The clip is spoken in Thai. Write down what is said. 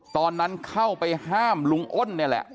ตอนนั้นเข้าไปห้ามลุงอ้นนี่แหละ